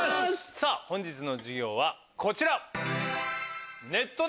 本日の授業はこちら！